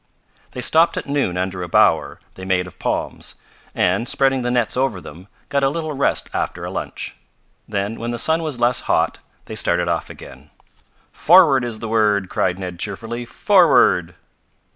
They stopped at noon under a bower they made of palms, and, spreading the nets over them, got a little rest after a lunch. Then, when the sun was less hot, they started off again. "Forward is the word!" cried Ned cheerfully. "Forward!"'